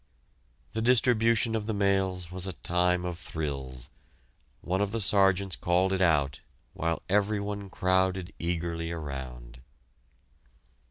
The distribution of the mails was a time of thrills. One of the Sergeants called it out, while every one crowded eagerly around.